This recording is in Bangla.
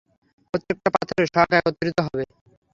প্রত্যেকটা পাথরের শক একত্রিত হবে।